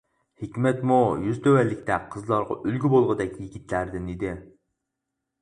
ھېكمەتمۇ يۈزى تۆۋەنلىكتە قىزلارغا ئۈلگە بولغۇدەك يىگىتلەردىن ئىدى.